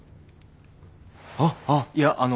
あっあっいやあの。